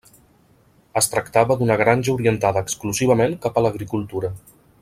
Es tractava d'una granja orientada exclusivament cap a l'agricultura.